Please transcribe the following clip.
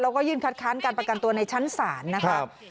แล้วก็ยื่นคัดค้านการประกันตัวในชั้นศาลนะครับ